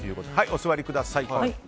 お座りください。